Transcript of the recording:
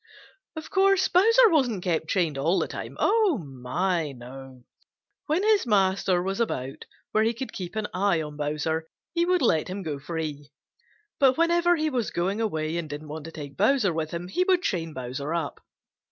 Of course Bowser wasn't kept chained all the time. Oh, my, no! When his master was about, where he could keep an eye on Bowser, he would let him go free. But whenever he was going away and didn't want to take Bowser with him, he would chain Bowser up.